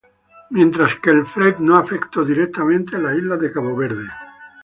Mientras que el Fred no afectó directamente las islas de Cabo Verde.